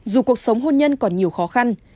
dù cuộc sống hôn nhân còn nhiều khó khăn